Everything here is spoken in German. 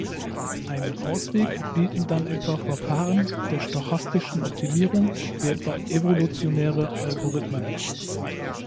Einen Ausweg bieten dann etwa Verfahren der stochastischen Optimierung wie etwa Evolutionäre Algorithmen.